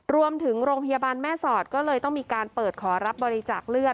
โรงพยาบาลแม่สอดก็เลยต้องมีการเปิดขอรับบริจาคเลือด